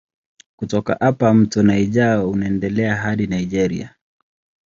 Kutoka hapa mto Niger unaendelea hadi Nigeria.